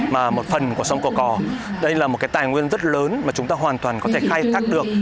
mà một phần của sông cổ cò đây là một cái tài nguyên rất lớn mà chúng ta hoàn toàn có thể khai thác được